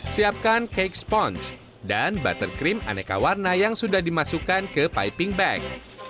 siapkan cake sponge dan buttercream aneka warna yang sudah dimasukkan ke piping bag